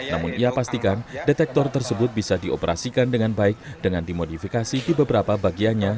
namun ia pastikan detektor tersebut bisa dioperasikan dengan baik dengan dimodifikasi di beberapa bagiannya